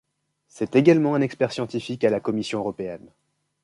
C'est également un expert scientifique à la Commission européenne.